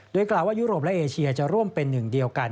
โดยกล่าวว่ายุโรปและเอเชียจะร่วมเป็นหนึ่งเดียวกัน